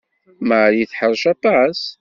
Marie teḥṛec aṭas.